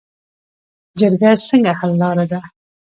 جرګه څنګه حل لاره ده؟